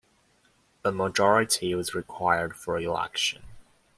A majority was required for election.